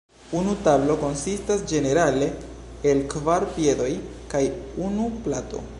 Unu tablo konsistas ĝenerale el kvar piedoj kaj unu plato.